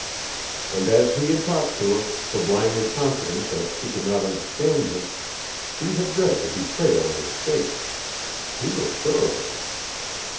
And as he had talked to her, sublimely confident that she could not understand him, she had read the betrayal in his face. He was sure of it.